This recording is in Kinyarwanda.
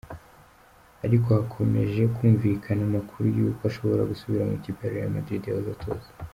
Ariko hakomeje kumvikana amakuru yuko ashobora gusubira mu ikipe ya Real Madrid yahoze atoza.